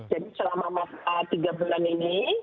jadi selama tiga bulan ini